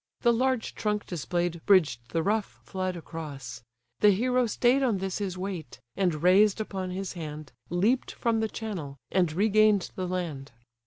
The large trunk display'd Bridged the rough flood across: the hero stay'd On this his weight, and raised upon his hand, Leap'd from the channel, and regain'd the land.